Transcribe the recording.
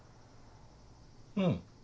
うん。